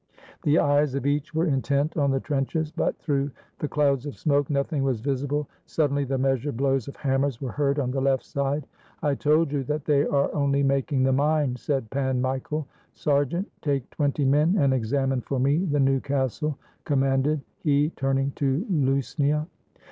The eyes of each were intent on the trenches; but through the clouds of smoke nothing was visible. Suddenly the measured blows of hammers were heard on the left side. "I told you that they are only making the mine," said Pan Michael. " Sergeant, take twenty men and examine for me the new castle," commanded he, turning to Lusnia.